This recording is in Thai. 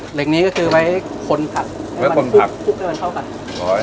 เหล็กนี้ก็คือไว้คนผัดไว้คนผัดให้มันทุกมันเข้ากัน